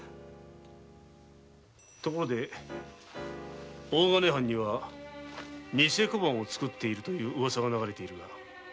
ところで大金藩にはニセ小判を造っているというウワサが流れているが。